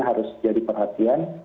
harus jadi perhatian